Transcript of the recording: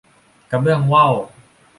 กระเบื้องว่าว